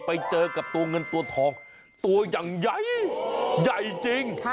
ไปเจอกับตัวเงินตัวทองตัวอย่างใหญ่ใหญ่จริง